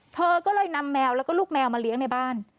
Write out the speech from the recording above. เธอก็เลยนำแมวแล้วก็ลูกแมวมาเลี้ยงในบ้าน